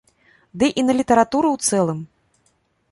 Ды і на літаратуру ў цэлым.